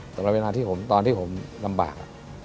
แต่เวลาที่ผมตอนที่ผมลำบาก